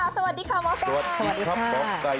สวัสดีค่ะหมอกไก่